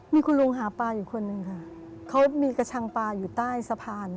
มีคุณลุงหาปลาอยู่คนหนึ่งค่ะเขามีกระชังปลาอยู่ใต้สะพาน